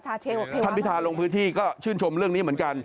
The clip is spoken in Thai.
ท่านพิธาลงพื้นที่ก็ชื่นชมเรื่องนี้เหมือนกัน